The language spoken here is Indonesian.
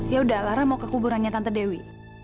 yaudah lara mau ke kuburannya tante dewi